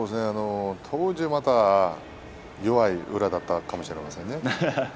当時はまだ弱い宇良だったかもしれませんね。